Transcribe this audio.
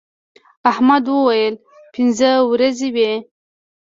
احمد وويل: پینځه ورځې وې.